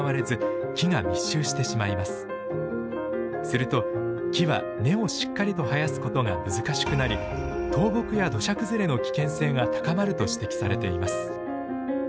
すると木は根をしっかりと生やすことが難しくなり倒木や土砂崩れの危険性が高まると指摘されています。